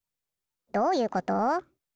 どういうこと？